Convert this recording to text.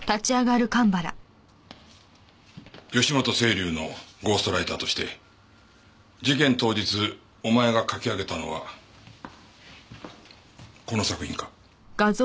義本青流のゴーストライターとして事件当日お前が書き上げたのはこの作品か？